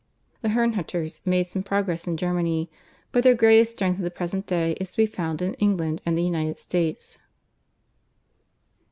The Herrnhuters made some progress in Germany, but their greatest strength at the present day is to be found in England and the United States.